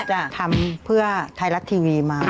จะทำเพื่อไทยรัฐทีวีมา